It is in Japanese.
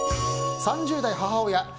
３０代母親。